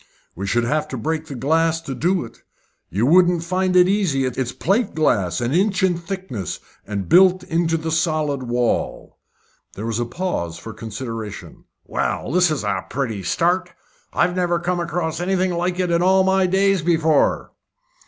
"We should have to break the glass to do it. You wouldn't find it easy. It's plate glass, an inch in thickness, and built into the solid wall." There was a pause for consideration. "Well, this is a pretty start. I've never come across anything like it in all my days before."